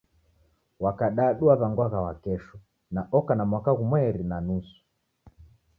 Wa kadadu waw'angwagha Wakesho na oka na mwaka ghumweri na nusu.